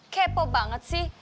kepo banget sih